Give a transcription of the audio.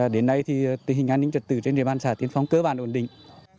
đến nay thì tình hình an ninh trật tự trên địa bàn xã tiền phong cơ bản ổn định